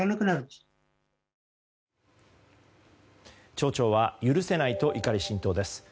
町長は許せないと怒り心頭です。